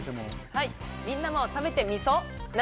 みんなも食べてみそ。